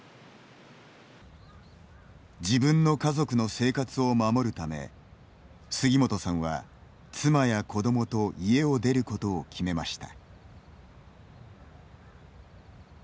自分の家族の生活を守るため杉本さんは、妻や子どもと家を出ることを決めました。